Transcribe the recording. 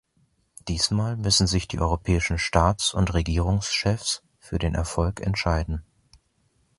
Diesmal müssen sich die europäischen Staats- und Regierungschefs für den Erfolg entscheiden.